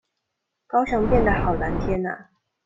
高雄變得好藍天阿